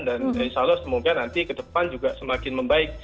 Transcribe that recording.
dan insya allah semoga nanti ke depan juga semakin membaik